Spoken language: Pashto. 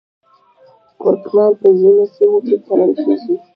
کورکمن په ځینو سیمو کې کرل کیږي